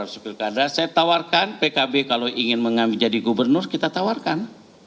saya tawarkan pkb kalau ingin mengambil jadi gubernur kita tawarkan